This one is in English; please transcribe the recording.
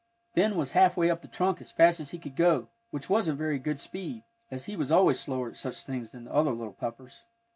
Ben was halfway up the trunk as fast as he could go, which wasn't very good speed, as he was always slower at such things than the other little Peppers.